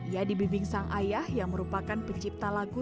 ia dibimbing sang ayah yang merupakan pencipta lagu